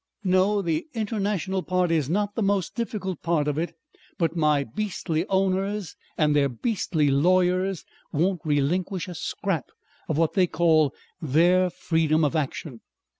No, the international part is not the most difficult part of it. But my beastly owners and their beastly lawyers won't relinquish a scrap of what they call their freedom of action.